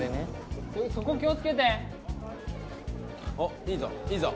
おっいいぞいいぞ。